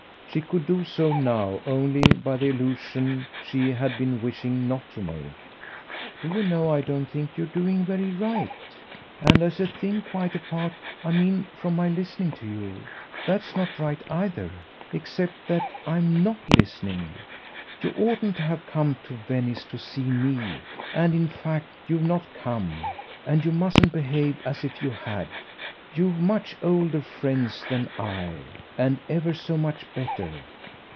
She could do so now only by the allusion she had been wishing not to make. "Do you know I don't think you're doing very right? and as a thing quite apart, I mean, from my listening to you. That's not right either except that I'm NOT listening. You oughtn't to have come to Venice to see ME and in fact you've not come, and you mustn't behave as if you had. You've much older friends than I, and ever so much better.